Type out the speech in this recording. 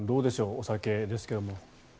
お酒ですけれど。